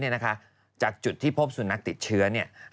จากจุดที่พบที่ที่พบสุนนัขติดเชื้อ